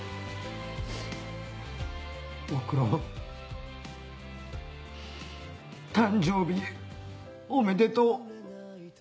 おふくろ誕生日おめでとう。